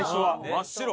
真っ白。